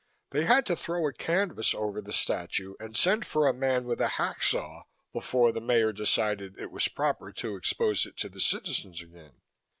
They had to throw a canvas over the statue and send for a man with a hacksaw before the Mayor decided it was proper to expose it to the citizens again."